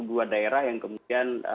dua daerah yang kemudian